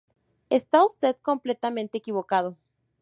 Está usted completamente equivocado".